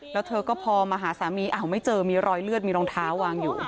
แล้วเธอก็พอมาหาสามีอ้าวไม่เจอมีรอยเลือดมีรองเท้าวางอยู่